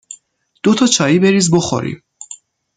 دو تا چایی بریز بخوریم